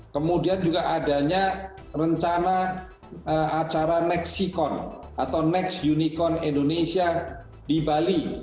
kemudian juga adanya rencana acara nexicon atau next unicorn indonesia di bali